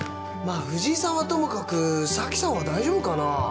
まあ藤井さんはともかく咲さんは大丈夫かな？